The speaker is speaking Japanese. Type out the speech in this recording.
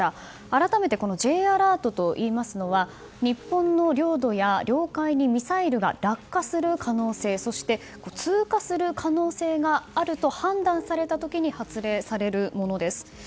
改めてＪアラートといいますのは日本の領土や領海にミサイルが落下する可能性そして通過する可能性があると判断された時に発令されるものです。